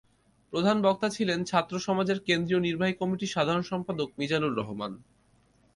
প্রধান বক্তা ছিলেন ছাত্রসমাজের কেন্দ্রীয় নির্বাহী কমিটির সাধারণ সম্পাদক মিজানুর রহমান।